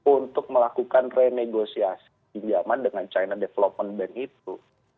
untuk melakukan renegosiasi pinjaman dengan china development bank itu